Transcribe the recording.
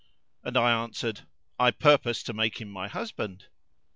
and I answered, "I purpose to make him my husband!"